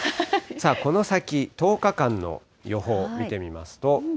この先１０日間の予報見てみますと。